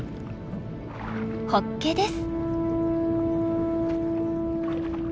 ホッケです。